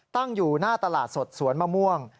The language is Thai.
ตั้งอยู่หน้าตลาดสดสวนมะม่วง